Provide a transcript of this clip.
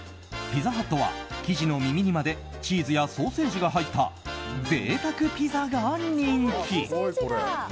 ピザハットは生地の耳にまでチーズやソーセージが入った贅沢ピザが人気。